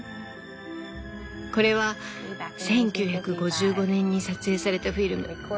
これは１９５５年に撮影されたフィルム。